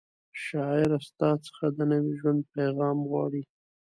شاعره ستا څخه د نوي ژوند پیغام غواړي